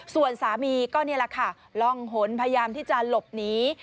ส่วนสามีก็นี่แหละค่ะล่องหนพยายามที่จะหลบหนี